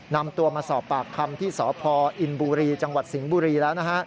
นำตัวมาสอบปากคำที่สพอินบุรีจังหวัดสิงห์บุรีแล้วนะฮะ